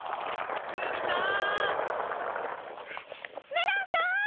メランさん！